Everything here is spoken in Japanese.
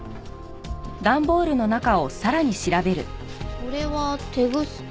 これはテグスと。